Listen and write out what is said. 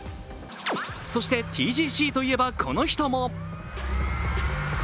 そしてＴＧＣといえばこの人も。